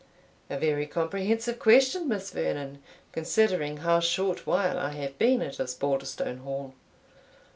"A very comprehensive question, Miss Vernon, considering how short while I have been at Osbaldistone Hall."